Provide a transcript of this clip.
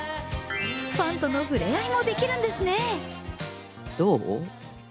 ファンとの触れ合いもできるんですね。